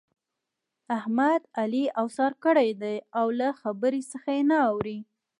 احمد؛ علي اوسار کړی دی او له خبرې څخه يې نه اوړي.